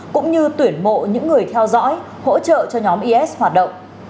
cũng như tuyển mộ những người theo dõi hỗ trợ cho nhóm is hoạt động